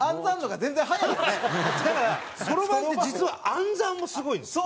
だからそろばんって実は暗算もすごいんですよ。